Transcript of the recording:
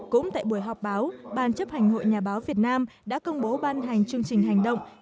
cũng tại buổi họp báo ban chấp hành hội nhà báo việt nam đã công bố ban hành chương trình hành động